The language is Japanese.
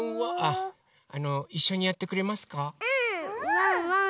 ワンワン